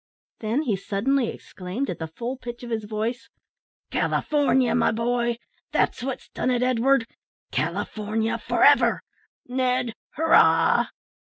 Then he suddenly exclaimed, at the full pitch of his voice, "California, my boy! That's what's done it, Edward! California for ever! Ned, hurrah!"